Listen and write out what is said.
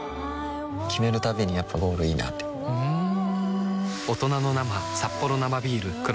決めるたびにやっぱゴールいいなってふんあ゛ーーー！